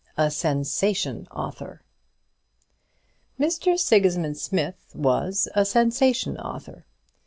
A SENSATION AUTHOR. Mr. Sigismund Smith was a sensation author.